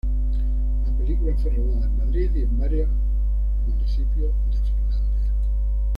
La película fue rodada en Madrid y en varios municipios de Finlandia.